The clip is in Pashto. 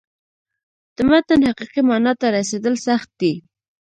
د متن حقیقي معنا ته رسېدل سخت دي.